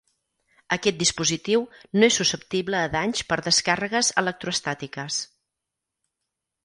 Aquest dispositiu no és susceptible a danys per descàrregues electroestàtiques.